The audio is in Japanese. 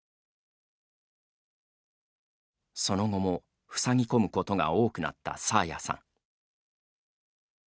その後も、ふさぎ込むことが多くなった爽彩さん。